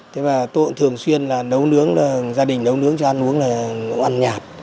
thế mà tôi cũng thường xuyên là nấu nướng gia đình nấu nướng cho ăn uống là ăn nhạt